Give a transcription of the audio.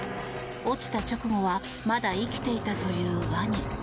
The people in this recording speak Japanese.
落ちた直後はまだ生きていたというワニ。